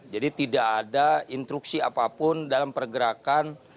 jadi tidak ada instruksi apapun dalam pergerakan